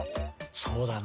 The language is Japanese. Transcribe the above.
そうだね。